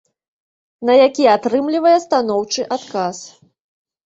На які атрымлівае станоўчы адказ.